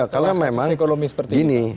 karena memang seperti ini